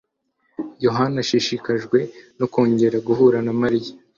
Yohani ashishikajwe no kongera guhura na Marina.